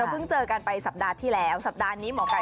เพิ่งเจอกันไปสัปดาห์ที่แล้วสัปดาห์นี้หมอไก่